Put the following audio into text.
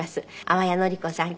淡谷のり子さん